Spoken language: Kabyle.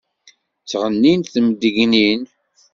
Ttɣennint temdeyynin.